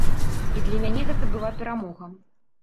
І для мяне гэта была перамога.